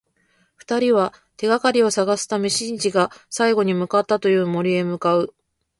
二人は、手がかりを探すためシンジが最後に向かったという森へ向かう。